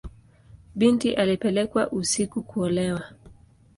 Binti alipelekwa usiku kuolewa.